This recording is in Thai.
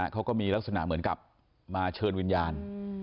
เขาก็มีลักษณะเหมือนกับมาเชิญวิญญาณ